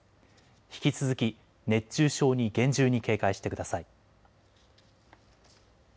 引き続き熱中症に厳重に警戒してください。